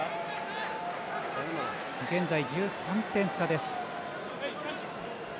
現在１３点差です。